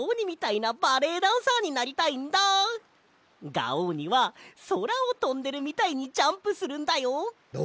ガオーニはそらをとんでるみたいにジャンプするんだよ。お！